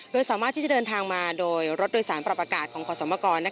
โดยสามารถที่จะเดินทางมาโดยรถโดยสารปรับอากาศของขอสมกร